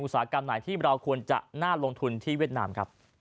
สาหกรรมไหนที่เราควรจะน่าลงทุนที่เวียดนามครับ